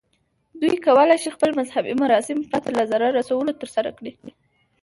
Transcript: دوی کولی شي خپل مذهبي مراسم پرته له ضرر رسولو ترسره کړي.